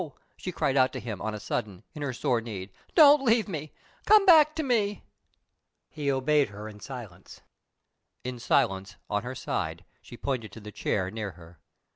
she cried out to him, on a sudden, in her sore need, "don't leave me! Come back to me!" He obeyed her in silence. In silence, on her side, she pointed to the chair near her.